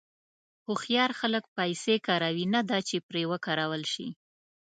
هوښیار خلک پیسې کاروي، نه دا چې پرې وکارول شي.